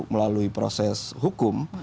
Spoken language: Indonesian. melalui proses hukum